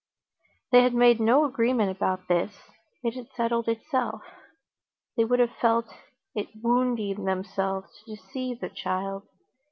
They had made no agreement about this, it had settled itself. They would have felt it wounding themselves to deceive the child.